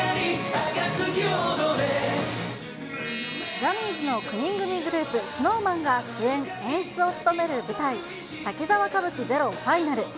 ジャニーズの９人組グループ、ＳｎｏｗＭａｎが主演・演出を務める、滝沢歌舞伎ＺＥＲＯＦＩＮＡＬ。